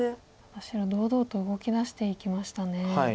白堂々と動きだしていきましたね。